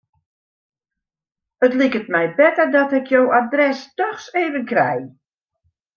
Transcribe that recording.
It liket my better dat ik jo adres dochs even krij.